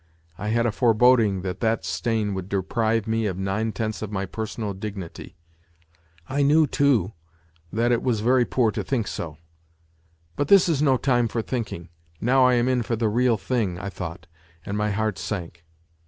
I had a foreboding that that stain would deprive me of nine tenths of my personal dignity. I knew, too, that it was very poor to think so. " But this is no time for thinking : now I am in for the real thing," I thought, and my heart sank.